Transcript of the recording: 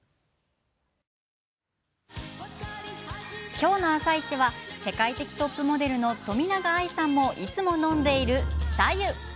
今日の「あさイチ」は世界的トップモデルの冨永愛さんも愛飲している白湯。